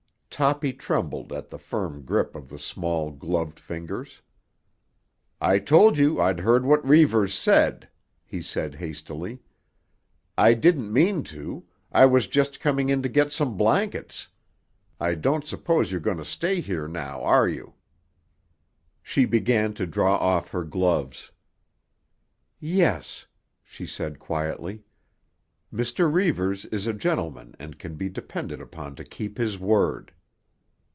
Toppy trembled at the firm grip of the small, gloved fingers. "I told you I'd heard what Reivers said," he said hastily. "I didn't mean to; I was just coming in to get some blankets. I don't suppose you're going to stay here now, are you?" She began to draw off her gloves. "Yes," she said quietly. "Mr. Reivers is a gentleman and can be depended upon to keep his word."